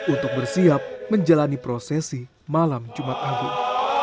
untuk bersiap menjalani prosesi malam jumat agung